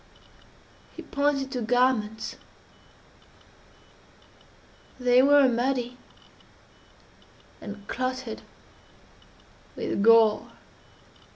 He pointed to garments;—they were muddy and clotted with gore.